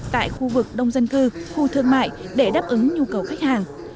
tại khu vực đông dân cư khu thương mại để đáp ứng nhu cầu khách hàng